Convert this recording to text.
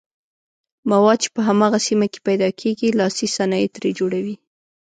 مواد چې په هماغه سیمه کې پیداکیږي لاسي صنایع ترې جوړوي.